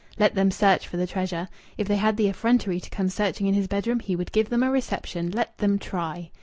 Let them search for the treasure! If they had the effrontery to come searching in his bedroom, he would give them a reception! Let them try!